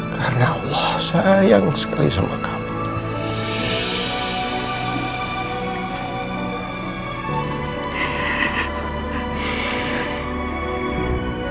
karena allah sayang sekali sama kamu